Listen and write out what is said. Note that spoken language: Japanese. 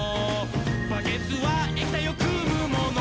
「バケツは液体をくむもの」